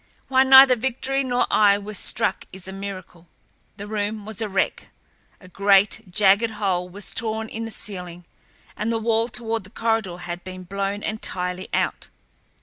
Why neither Victory nor I were struck is a miracle. The room was a wreck. A great, jagged hole was torn in the ceiling, and the wall toward the corridor had been blown entirely out.